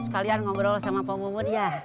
kalian ngobrol sama pak mumun ya